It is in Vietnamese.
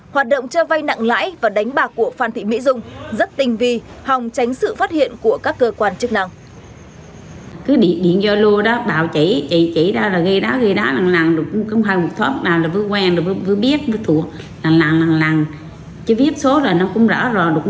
hoạt động cho vay nặng lãi và đánh bạc của phan thị mỹ dung rất tinh vi hòng tránh sự phát hiện của các cơ quan chức năng